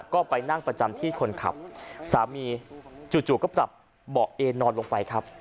ก็ไปนั่งประจำที่คนขับสามีจู่ก็ปรับเบาะเอนอนลงไปครับ